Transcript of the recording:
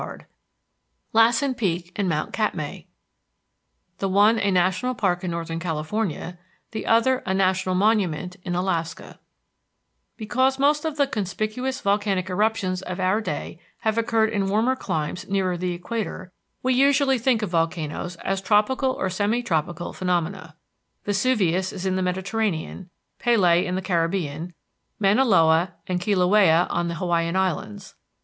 VII LASSEN PEAK AND MOUNT KATMAI THE ONE A NATIONAL PARK IN NORTHERN CALIFORNIA, THE OTHER A NATIONAL MONUMENT IN ALASKA Because most of the conspicuous volcanic eruptions of our day have occurred in warmer climes nearer the equator, we usually think of volcanoes as tropical, or semi tropical, phenomena. Vesuvius is in the Mediterranean, Pelee in the Caribbean, Mauna Loa and Kilauea on the Hawaiian Islands.